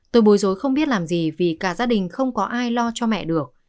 tôi bồi dối không biết làm gì vì cả gia đình không có ai lo cho mẹ được